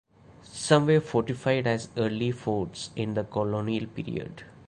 Some were fortified as early forts in the colonial period.